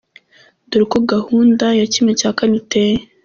Dore uko gahunda ya ¼ iteye:.